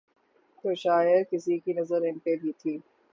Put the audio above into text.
تو شاید کسی کی نظر ان پہ بھی تھی۔